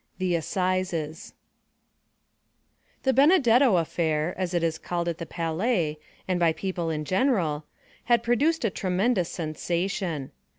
The Assizes The Benedetto affair, as it was called at the Palais, and by people in general, had produced a tremendous sensation.